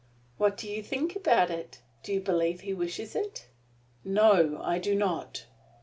"What do you think about it? Do you believe he wishes it?" "No, I do not!"